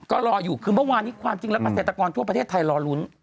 ก็รออยู่คือเมื่อวานนี้ความจริงแล้วเกษตรกรทั่วประเทศไทยรอลุ้น